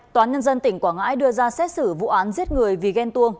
tòa nhân dân tỉnh quảng ngãi đưa ra xét xử vụ án giết người vì ghen tuông